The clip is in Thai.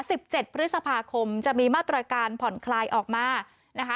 สิบเจ็ดพฤษภาคมจะมีมาตรการผ่อนคลายออกมานะคะ